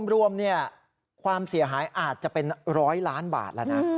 รวมความเสียหายอาจจะเป็น๑๐๐ล้านบาทแล้วนะ